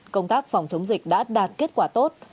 công tác phòng chống dịch đã đạt kết quả tốt